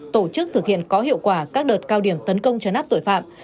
tổ chức thực hiện có hiệu quả các đợt cao điểm tấn công chấn áp tội phạm